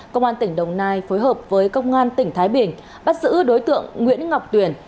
công an tỉnh đồng nai phối hợp với công an tỉnh thái bình bắt giữ đối tượng nguyễn ngọc tuyển